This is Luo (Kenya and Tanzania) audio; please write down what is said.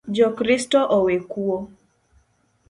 Jo Kristo owe kuo